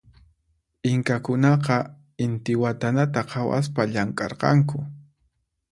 Inkakunaqa intiwatanata khawaspa llamk'arqanku.